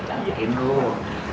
ya yakin dong